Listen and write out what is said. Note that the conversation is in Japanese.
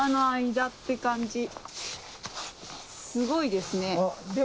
すごいですね。